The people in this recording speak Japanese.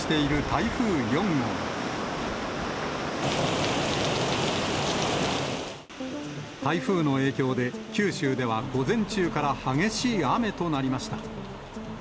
台風の影響で、九州では午前中から激しい雨となりました。